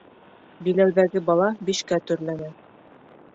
Биләүҙәге бала бишкә төрләнә.